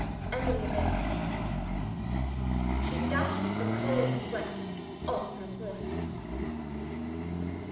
Emily obeyed her. She dashed the cold sweat off her forehead.